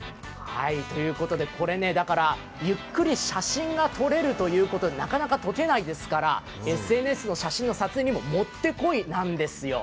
これね、ゆっくり写真が撮れるということで、なかなか溶けないですから、ＳＮＳの写真の撮影にももってこいなんですよ。